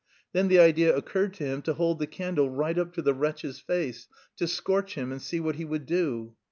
Then the idea occurred to him to hold the candle right up to the wretch's face, to scorch him and see what he would do.